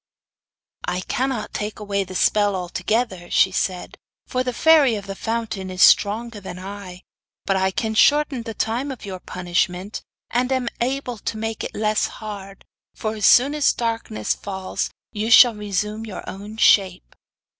'I cannot take away the spell altogether,' she said, 'for the Fairy of the Fountain is stronger than I; but I can shorten the time of your punishment, and am able to make it less hard, for as soon as darkness fall you shall resume your own shape.